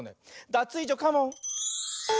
ダツイージョカモン！